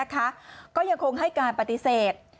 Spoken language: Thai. ก็ยังคงให้การปฏิเสธ